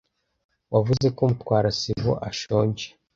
Wavuze ko Mutwara sibo ashonje.